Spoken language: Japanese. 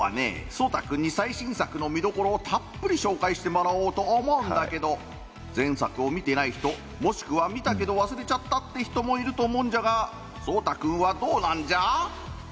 蒼汰君に最新作の見どころをたっぷり紹介してもらおうと思うんだけど前作を見てない人もしくは見たけど忘れちゃったって人もいると思うんじゃが蒼汰君はどうなんじゃ？